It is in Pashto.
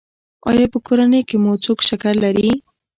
ایا په کورنۍ کې مو څوک شکر لري؟